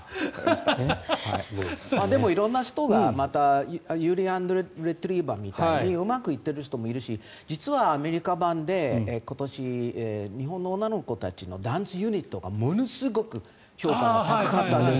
でも色んな人がゆりやんレトリィバァみたいにうまくいっている人もいるし実はアメリカ版で今年、日本の女の子たちのダンスユニットがものすごく評価が高かったんです。